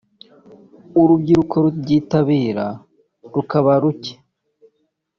urubyiruko rubyitabira rukaba ruke